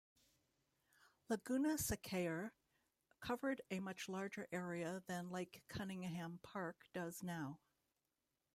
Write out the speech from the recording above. Laguna Secayre covered a much larger area than Lake Cunningham Park does now.